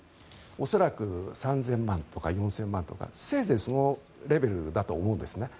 恐らく３０００万とか４０００万とかせいぜいそのレベルだと思うんですね。